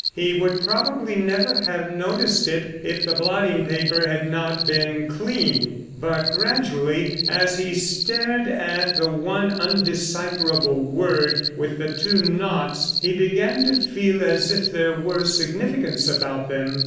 He would probably never have noticed it if the blotting paper had not been clean. But, gradually, as he stared at the one undecipherable word with the two naughts he began to feel as if there were significance about them.